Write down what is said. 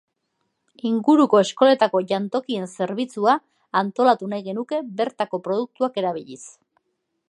Inguruko eskoletako jantokien zerbitzua antolatu nahi genuke bertako produktuak erabiliz.